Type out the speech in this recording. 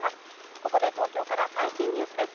ここで東京から最新ニュースです。